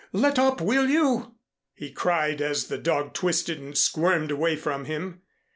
Let up, will you?" he cried, as the dog twisted and squirmed away from him.